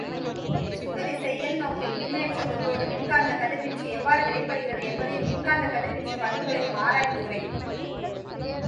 சிப்பவிசை இயல் நோக்கில் மின்னேற்றப் பொருளோடு மின்காந்தக் கதிர்வீச்சு எவ்வாறு வினைப்படுகிறது என்பதையும் மின்காந்தக் கதிர்வீச்சுப் பண்புகளையும் ஆராயுந்துறை.